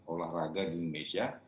olahraga di indonesia